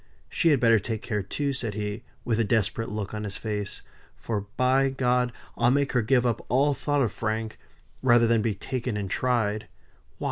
She had better take care, too," said he, with a desperate look on his face, "for by G I'll make her give up all thoughts of Frank, rather than be taken and tried. Why!